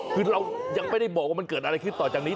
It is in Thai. คือเรายังไม่ได้บอกว่ามันเกิดอะไรขึ้นต่อจากนี้